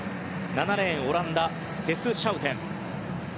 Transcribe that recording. ７レーン、オランダのテス・シャウテン。